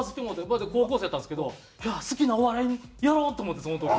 まだ高校生やったんですけど好きなお笑いやろうと思ってその時。